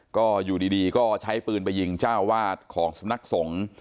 ก็อยู่ดีก็ใช้ปืนไปยิงเจ้าวาดของสำนักสงฆ์